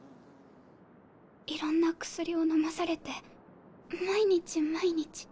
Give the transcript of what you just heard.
いろんな薬を飲まされて毎日毎日。